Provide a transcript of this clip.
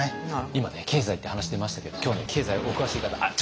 今ね経済って話出ましたけど今日ね経済お詳しい方あっ！